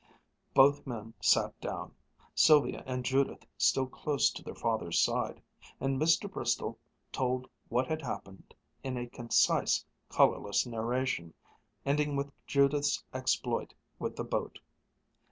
Both men sat down, Sylvia and Judith still close to their father's side, and Mr. Bristol told what had happened in a concise, colorless narration, ending with Judith's exploit with the boat.